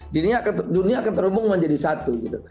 jadi dunia akan terhubung menjadi satu gitu